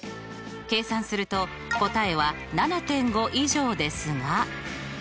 計算すると答えは７．５以上ですが。